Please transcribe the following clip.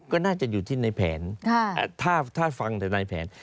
ก็น่าจะอยู่ที่ในแผนถ้าฟังแต่ในแผน